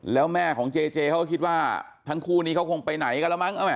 แล้วแม่ของเจเจเขาก็คิดว่าทั้งคู่นี้เขาคงไปไหนกันแล้วมั้ง